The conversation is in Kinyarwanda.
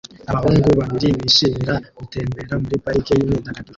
Abahungu babiri bishimira gutembera muri parike yimyidagaduro